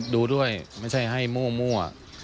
ดูด้วยไม่ใช่ให้มั่ว